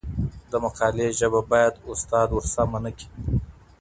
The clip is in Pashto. د مقالي ژبه باید استاد ورسمه نه کړي.